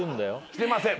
してません。